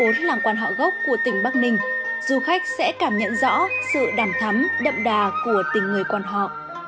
trong một trăm bốn mươi bốn làng quan họ gốc của tỉnh bắc ninh du khách sẽ cảm nhận rõ sự đảm thắm đậm đà của tỉnh người quan họ